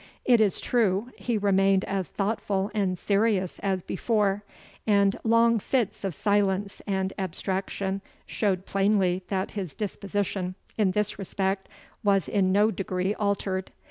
It is true he remained as thoughtful and serious as before; and long fits of silence and abstraction showed plainly that his disposition, in this respect, was in no degree altered.